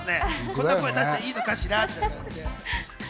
こんな声、出していいのかしらってね。